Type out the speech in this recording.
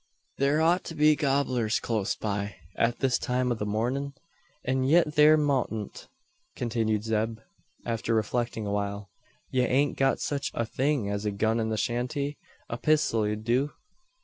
Thur ought to be gobblers cloast by at this time o' the mornin'. "An yit there moutent," continued Zeb, after reflecting a while. "Ye ain't got sech a thing as a gun in the shanty? A pistol 'ud do."